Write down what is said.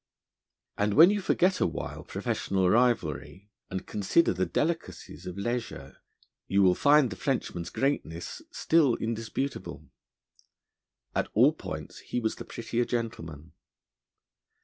And when you forget a while professional rivalry, and consider the delicacies of leisure, you will find the Frenchman's greatness still indisputable. At all points he was the prettier gentleman.